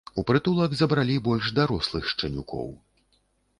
У прытулак забралі больш дарослых шчанюкоў.